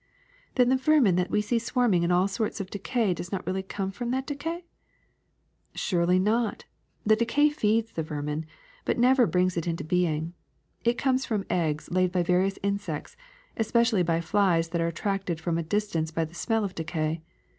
"Then the vermin that we see swarming in all sorts of decay does not really come from that decay?" "Surely not. The decay feeds the vermin, but never brings it into being. It comes from eggs laid by various insects, especially by flies that are at tracted from a distance by the smell of decay.